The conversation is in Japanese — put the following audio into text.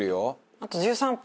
あと１３分。